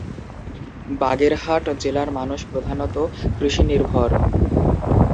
বাগেরহাট জেলার মানুষ প্রধানত কৃষি নির্ভর।